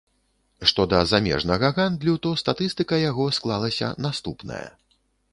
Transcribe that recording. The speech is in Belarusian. Што да замежнага гандлю, то статыстыка яго склалася наступная.